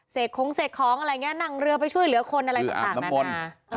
ของเสกของอะไรอย่างนี้นั่งเรือไปช่วยเหลือคนอะไรต่างนานา